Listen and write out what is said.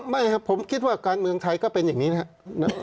ไม่ครับผมคิดว่าการเมืองไทยก็เป็นอย่างนี้นะครับ